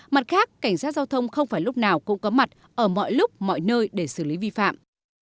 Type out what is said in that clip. mặt khác cảnh sát giao thông không phải lúc nào cũng có mặt ở mọi lúc mọi nơi để xử lý vi phạm